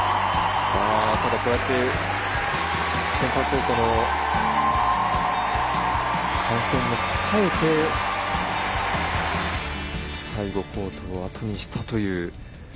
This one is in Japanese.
こうやってセンターコートの歓声に応えて最後、コートをあとにしたという。